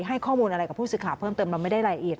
ให้ข้อมูลอะไรกับผู้สื่อข่าวเพิ่มเติมเราไม่ได้รายละเอียด